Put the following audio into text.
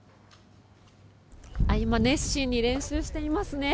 今、熱心に練習していますね。